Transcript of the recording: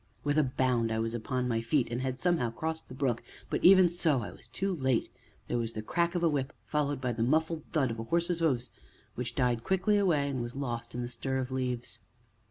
With a bound, I was upon my feet, and had, somehow, crossed the brook, but, even so, I was too late; there was the crack of a whip, followed by the muffled thud of a horse's hoofs, which died quickly away, and was lost in the stir of leaves.